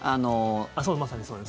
まさにそうです。